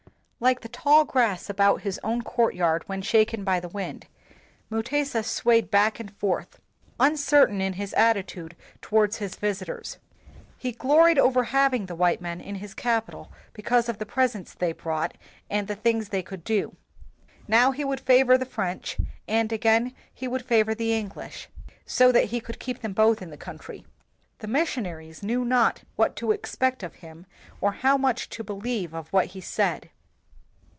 Like the tall grass about his own court yard when shaken by the wind, Mutesa swayed back and forth, uncertain in his at titude towards his visitors. He gloried over having the white men in his capital because of the presents they brought and the things they could do. Now he would favor the French, and again he would favor the En glish, so that he could keep them both in the country. The missionaries knew not what to expect of him or how much to be lieve of what he said.